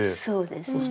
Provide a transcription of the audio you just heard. そうですね。